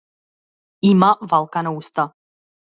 Има валкана уста.